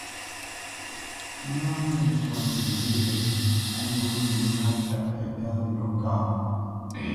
Ŋâ ŋgê ntwá nzyê yē á nwô ndo máta tətá ndǔ kâʼ.